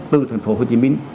từ thành phố hồ chí minh